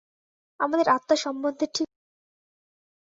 আমাদের আত্মা সম্বন্ধে ঠিক ঐ কথা খাটে।